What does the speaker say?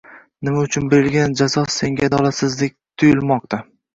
Nima uchun berilgan jazo senga adolatsizlikdek tuyulmoqda?